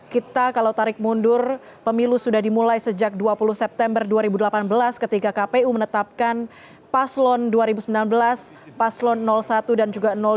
kita kalau tarik mundur pemilu sudah dimulai sejak dua puluh september dua ribu delapan belas ketika kpu menetapkan paslon dua ribu sembilan belas paslon satu dan juga dua